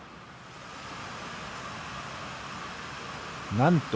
なんと！